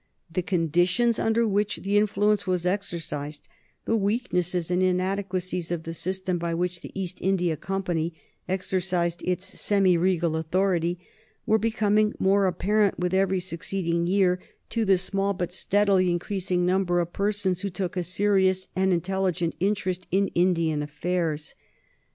The conditions under which that influence was exercised, the weaknesses and inadequacies of the system by which the East India Company exercised its semi regal authority, were becoming more apparent with every succeeding year to the small but steadily increasing number of persons who took a serious and intelligent interest in Indian affairs.